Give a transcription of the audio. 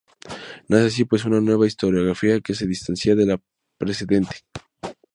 Nace así pues una nueva historiografía que se distancia de la precedente.